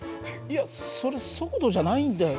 いやそれ速度じゃないんだよ。